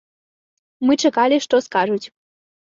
Мы чакалі, што скажуць.